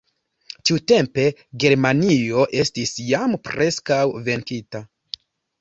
Tiutempe Germanio estis jam preskaŭ venkita.